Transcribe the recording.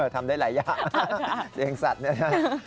ทำได้หลายอย่างเลี้ยงสัตว์นะฮะ